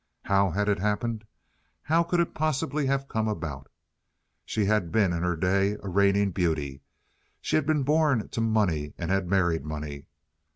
How had it happened? How could it possibly have come about? She had been in her day a reigning beauty. She had been born to money and had married money.